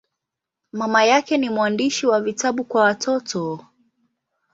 Mama yake ni mwandishi wa vitabu kwa watoto.